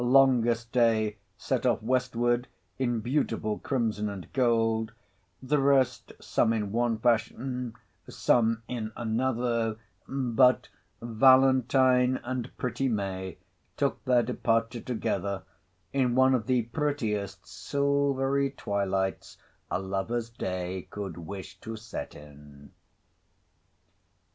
Longest Day set off westward in beautiful crimson and gold—the rest, some in one fashion, some in another; but Valentine and pretty May took their departure together in one of the prettiest silvery twilights a Lover's Day could wish to set in.